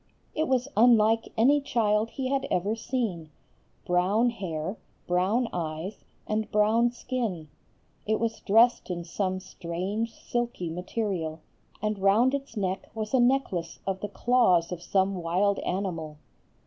It was unlike any child he had ever seen: brown hair, brown eyes, and brown skin. It was dressed in some strange silky material, and round its neck was a necklace of the claws of some wild animal.